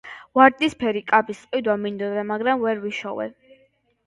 ვარდისფერი კაბის ყიდვა მინდოდა, მაგრამ ვერ ვიშოვე.